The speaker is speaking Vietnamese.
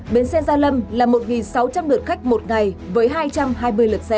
bến xe gia lâm là một sáu trăm linh lượt khách một ngày với hai trăm hai mươi lượt xe